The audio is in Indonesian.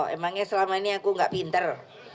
emangnya selama ini aku nggak pinter